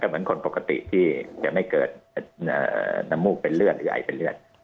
เหมือนคนปกติที่จะไม่เกิดน้ำมูกเป็นเลือดหรือไอเป็นเลือด